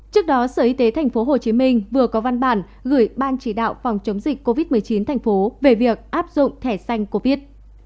trước đó sở y tế tp hcm vừa có văn bản gửi ban chỉ đạo phòng chống dịch covid một mươi chín thành phố về việc áp dụng thẻ xanh covid